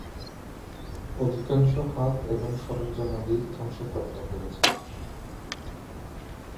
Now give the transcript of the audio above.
অধিকাংশ হাত এবং সরঞ্জামাদি ধ্বংসপ্রাপ্ত হয়েছে।